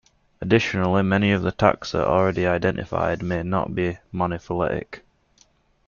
Additionally, many of the taxa already identified may not be monophyletic.